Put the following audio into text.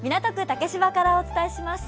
竹芝からお伝えします。